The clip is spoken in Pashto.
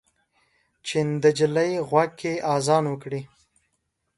چې د نجلۍ غوږ کې اذان وکړئ